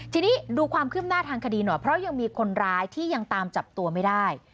ทีนี้ดูความคืบหน้าทางคดีหน่อยเพราะยังมีคนร้ายที่ยังตามจับตัวไม่ได้